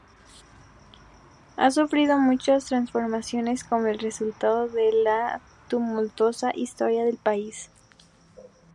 Ha sufrido muchas transformaciones como resultado de la tumultuosa historia del país.